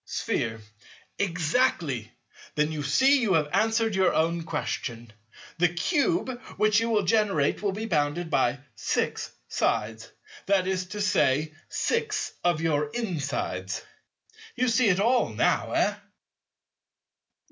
Sphere. Exactly. Then you see you have answered your own question. The Cube which you will generate will be bounded by six sides, that is to say, six of your insides. You see it all now, eh?